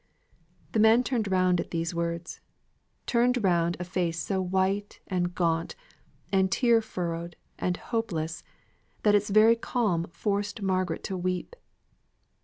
The man turned round at these words, turned round a face so white, and gaunt, and tear furrowed, and hopeless, that its very calm forced Margaret to weep.